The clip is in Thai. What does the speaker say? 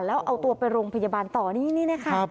แล้วเอาตัวไปโรงพยาบาลต่อนี่นี่นะคะ